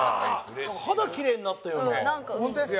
肌きれいになったようにも。